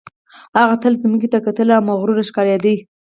هغه تل ځمکې ته کتلې او مغروره ښکارېده